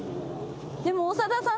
でも長田さん